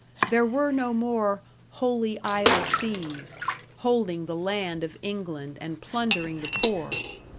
There were no more "holy idell theves", holding the land of England and plundering the poor.